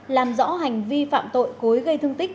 làm rõ hành vi phạm tội cối gây thương tích